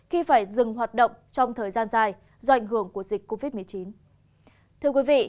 khi phải dừng hoạt động trong thời gian dài do ảnh hưởng của dịch covid một mươi chín